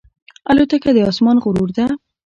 الوتکه د آسمان غرور ده.